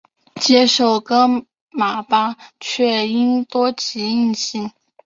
接受噶玛巴却英多吉印信。